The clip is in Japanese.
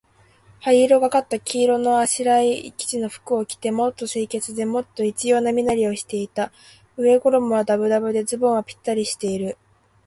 灰色がかった黄色のあらい生地の服を着て、もっと清潔で、もっと一様な身なりをしていた。上衣はだぶだぶで、ズボンはぴったりしている。